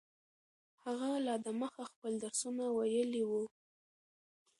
هغه لا دمخه خپل درسونه ویلي وو.